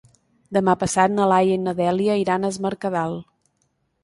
Demà passat na Laia i na Dèlia iran a Es Mercadal.